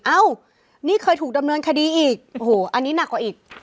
เอ้านี่เคยถูกดำเนินคดีอีกโอ้โหอันนี้หนักกว่าอีก